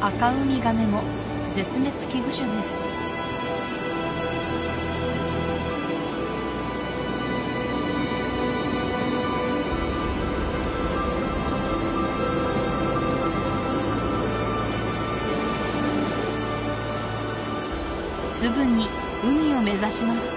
アカウミガメも絶滅危惧種ですすぐに海を目指します